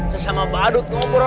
sesama badut ngobrol